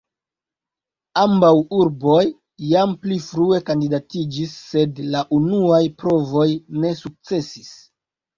Ambaŭ urboj jam pli frue kandidatiĝis, sed la unuaj provoj ne sukcesis.